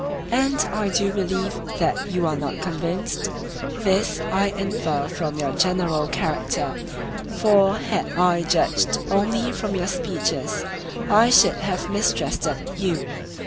And I do believe that you are not convinced—this I infer from your general character, for had I judged only from your speeches I should have mistrusted you.